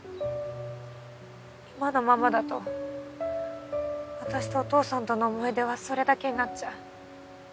今のままだと私とお父さんとの思い出はそれだけになっちゃう。